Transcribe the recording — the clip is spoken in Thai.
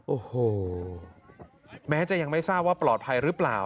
โอ้โหแม้จะยังไม่ทราบว่าปลอดภัยหรือเปล่า